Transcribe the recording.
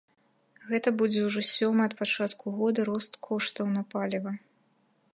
Гэта будзе ўжо сёмы ад пачатку года рост коштаў на паліва.